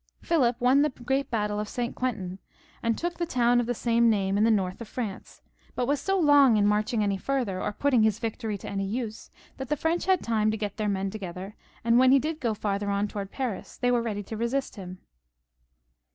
Philip won the great battle of St. Quentin, and took the town of the same name in the north of France, but was so long in marching on any farther, or putting his victory to any use, that the French had time to get their men together, and when he did go farther on towards Paris they were ready to resist him.